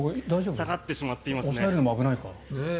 下がってしまっています。